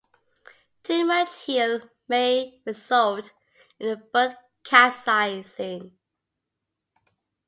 Too much heel may result in the boat capsizing.